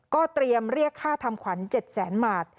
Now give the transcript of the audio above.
ก็เตรียมเรียกค่าทำขวัญ๗แสนบาท